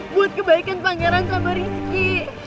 buat kebaikan pangeran sama rizki